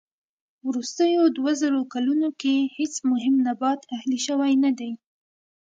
وروستيو دووزرو کلونو کې هېڅ مهم نبات اهلي شوی نه دي.